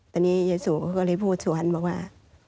ตันนี้เยซูก็เลยพูดสวรรค์บอกว่า